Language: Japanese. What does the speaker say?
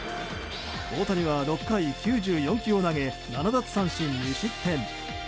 大谷は６回９４球を投げ７奪三振２失点。